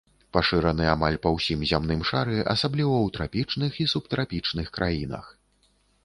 Пашыраны амаль па ўсім зямным шары, асабліва ў трапічных і субтрапічных краінах.